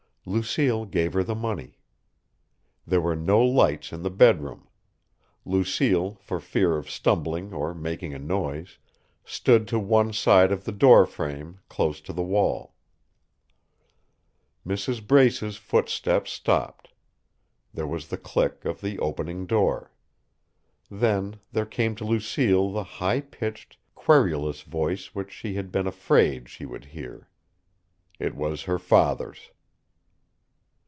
Lucille gave her the money. There were no lights in the bedroom. Lucille, for fear of stumbling or making a noise, stood to one side of the door frame, close to the wall. Mrs. Brace's footsteps stopped. There was the click of the opening door. Then, there came to Lucille the high pitched, querulous voice which she had been afraid she would hear. It was her father's.